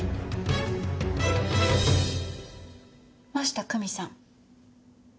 真下久美さん。